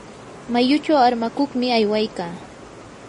mayuchu armakuqmi aywaykaa.